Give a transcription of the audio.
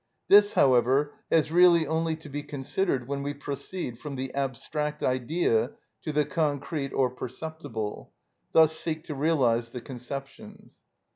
This, however, has really only to be considered when we proceed from the abstract idea to the concrete or perceptible, thus seek to realise the conceptions.